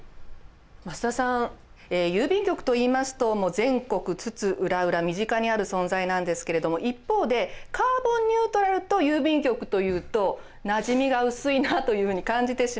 増田さん郵便局といいますともう全国津々浦々身近にある存在なんですけれども一方でカーボンニュートラルと郵便局というとなじみが薄いなというふうに感じてしまうんですが。